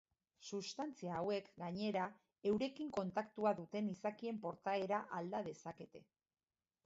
Substantzia hauek, gainera, eurekin kontaktua duten izakien portaera alda dezakete.